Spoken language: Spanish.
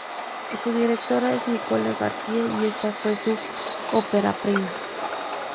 Su directora es Nicole García, y esta fue su ópera prima.